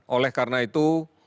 oleh karena itu